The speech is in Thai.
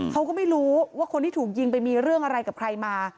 เขาก็ไม่รู้ว่าคนที่ถูกยิงไปมีเรื่องอะไรกับใครมา